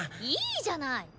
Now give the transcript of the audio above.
いいじゃない！